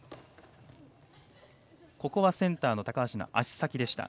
センターの高橋の足先でした。